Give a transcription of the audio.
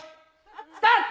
スタート。